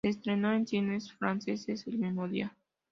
Se estrenó en cines franceses el mismo día.